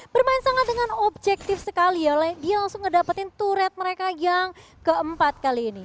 bermain sangat dengan objektif sekali dia langsung ngedapetin to red mereka yang keempat kali ini